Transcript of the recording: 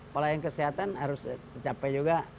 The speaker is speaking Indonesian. pelayanan kesehatan harus tercapai juga